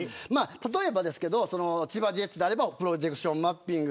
例えばですけど千葉ジェッツであればプロジェクションマッピング。